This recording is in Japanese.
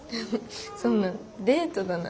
そんなデートだなんて。